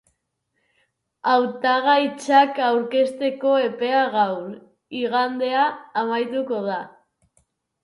Hautagaitzak aurkezteko epea gaur, igandea, amaituko da.